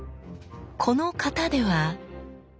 この形では。